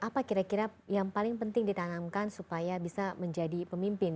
apa kira kira yang paling penting ditanamkan supaya bisa menjadi pemimpin